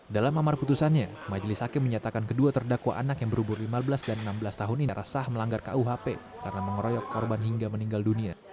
dalam amar putusannya majelis hakim menyatakan kedua terdakwa anak yang berumur lima belas dan enam belas tahun ini narasah melanggar kuhp karena mengeroyok korban hingga meninggal dunia